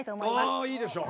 ああいいでしょう。